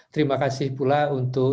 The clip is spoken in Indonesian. terima kasih pula untuk